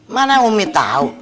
mana umi tahu